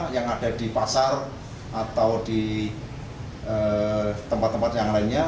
yang ada di pasar atau di tempat tempat yang lainnya